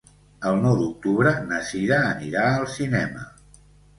El nou d'octubre na Cira anirà al cinema.